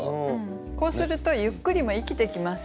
こうすると「ゆっくり」も生きてきますよね。